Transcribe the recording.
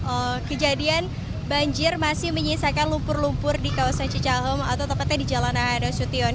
sampai pukul sepuluh malam ini kejadian banjir masih menyisakan lumpur lumpur di kawasan cicahem atau tempatnya di jalan nahana sution